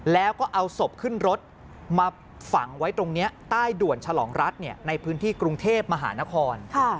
แล้วก็เอาศพขึ้นรถมาฝังไว้ตรงนี้ใต้ด่วนฉลองรัฐในพื้นที่กรุงเทพมหานคร